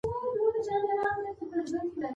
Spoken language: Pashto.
مدیر به پرېکړه وکړي.